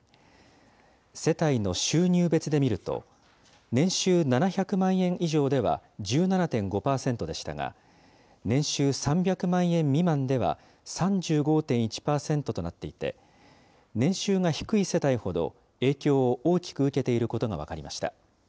世帯の収入別で見ると、年収７００万円以上では１７．５％でしたが、年収３００万円未満では３５．１％となっていて、年収が低い世帯ほど、影響を大きく受けていることが分かりました。